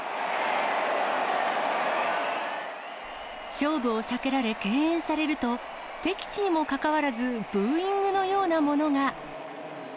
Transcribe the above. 勝負を避けられ、敬遠されると、敵地にもかかわらず、ブーイングのようなものが。